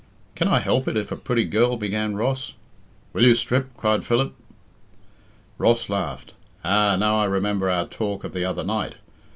"Can I help it if a pretty girl " began Ross. "Will you strip?" cried Philip. Ross laughed. "Ah! now I remember our talk of the other night.